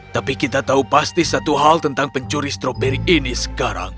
tapi kita tahu pasti satu hal tentang pencuri stroberi ini sekarang